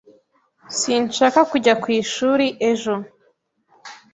Sinshaka kujya ku ishuri ejo